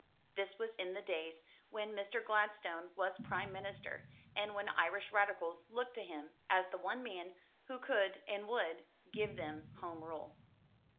This was in the days when Mr. Gladstone was Prime Minister, and when Irish Radicals looked to him as the one man who could and would give them Home Rule.